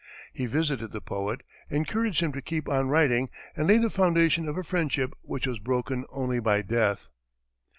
He visited the poet, encouraged him to keep on writing, and laid the foundation of a friendship which was broken only by death.